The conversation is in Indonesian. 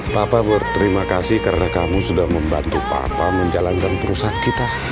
papa berterima kasih karena kamu sudah membantu papa menjalankan perusahaan kita